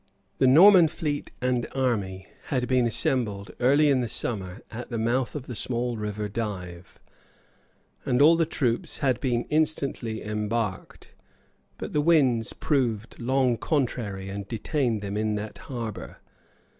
The Norman fleet and army had been assembled, early in the summer, at the mouth of the small river Dive, and all the troops had been instantly embarked; but the winds proved long contrary, and detained them in that harbor.